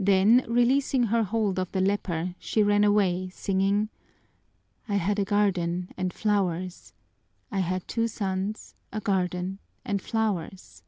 Then releasing her hold of the leper, she ran away singing, "I had a garden and flowers, I had two sons, a garden, and flowers!"